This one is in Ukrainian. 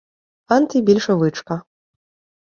антибільшовичка